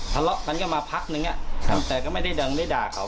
ทะเลาะกันก็มาพักนึงแต่ก็ไม่ได้ดังได้ด่าเขา